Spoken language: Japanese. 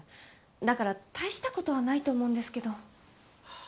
だから大したことはないと思うんですけど。